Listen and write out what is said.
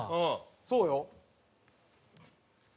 そうよ。